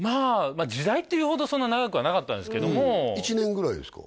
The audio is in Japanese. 時代っていうほどそんな長くはなかったんですけども１年ぐらいですか？